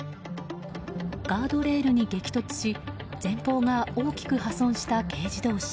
ガードレールに激突し前方が大きく破損した軽自動車。